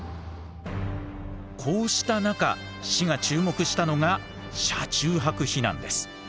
こうした中市が注目したのが車中泊避難です。